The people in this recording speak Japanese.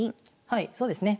はいそうですね。